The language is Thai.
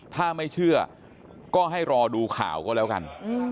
ถ้าไม่เชื่อก็ให้รอดูข่าวก็แล้วกัน